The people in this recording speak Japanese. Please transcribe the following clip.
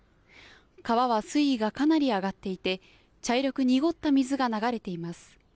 川は水位がかなり上がっていて茶色く濁った水が流れています。